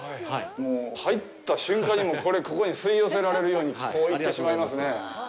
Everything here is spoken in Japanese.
入った瞬間にここに吸い寄せられるようにこう行ってしまいますね。